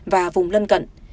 và vùng lân cận